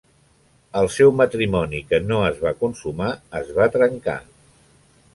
El seu matrimoni que no es va consumar, es va trencar.